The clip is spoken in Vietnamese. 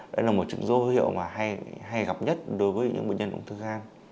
đây là một dấu hiệu hay gặp nhất đối với những bệnh nhân ung thư gan